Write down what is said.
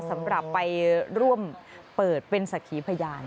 สำหรับไปร่วมเปิดเป็นสักขีพยาน